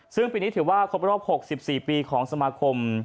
ซึ่งปีนี้ถือว่าครบรอบ๖๔ปีของสมาคม